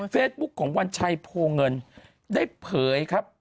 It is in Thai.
เฟซบุ๊กของวันชัยโพแลนได้เผยครับ